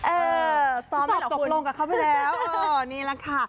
เออตอบไม่เหรอคุณฉันตกตกลงกับเขาไปแล้วนี่แหละค่ะ